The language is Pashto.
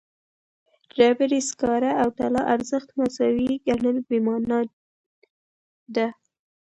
د ډبرې سکاره او طلا ارزښت مساوي ګڼل بېمعنایي ده.